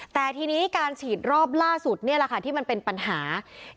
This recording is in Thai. แต่ทีนี้การฉีดรอบล่าสุดนี่แหละค่ะที่มันเป็นปัญหา